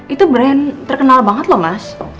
itu brand terkenal banget loh mas